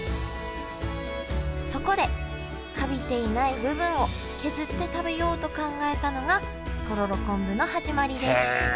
そこでカビていない部分を削って食べようと考えたのがとろろ昆布の始まりです